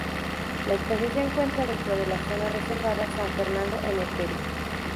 La especie se encuentra dentro de la Zona Reservada San Fernando en el Perú.